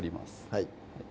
はい